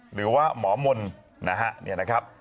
เป็นสัตวแพทย์สาวนะครับ